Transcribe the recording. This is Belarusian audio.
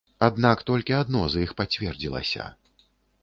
Аднак толькі адно з іх пацвердзілася.